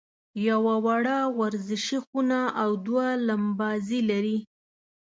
یوه وړه ورزشي خونه او دوه لمباځي لري.